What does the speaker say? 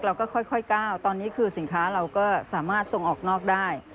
เราก็ค่อยก้าวตอนนี้คือสินค้าเราก็สามารถส่งออกนอกได้